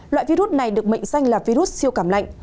loại virus này được mệnh danh là virus siêu cảm lạnh